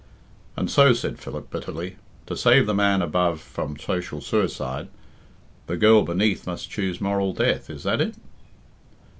"And so," said Philip bitterly, "to save the man above from social suicide, the girl beneath must choose moral death is that it?"